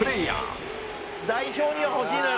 代表には欲しいのよ